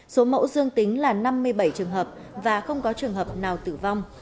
số mẫu dương tính là năm mươi bảy trường hợp và không có trường hợp nào tử vong